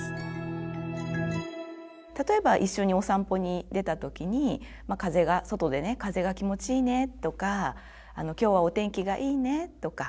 例えば一緒にお散歩に出た時に外でね「風が気持ちいいね」とか「今日はお天気がいいね」とか。